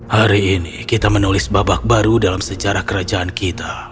hari ini kita menulis babak baru dalam sejarah kerajaan kita